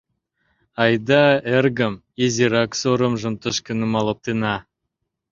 — Айда, эргым, изирак сорымжым тышке нумал оптена.